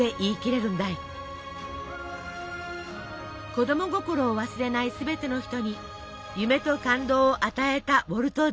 子供心を忘れないすべての人に夢と感動を与えたウォルト・ディズニー。